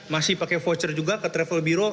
masih pakai voucher juga ke travel biro